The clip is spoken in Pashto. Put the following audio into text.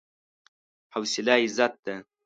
حوصله عزت ده.